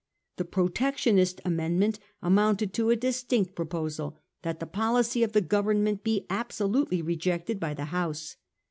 The Protection ist amendment amounted to a distinct proposal that Ihe policy of the Government be absolutely rejected by the House.